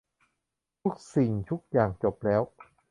ทุกสิ่งทุกอย่างจบแล้ว